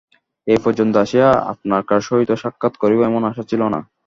এ পর্যন্ত আসিয়া আপনকার সহিত সাক্ষাৎ করিব এমন আশা ছিল না।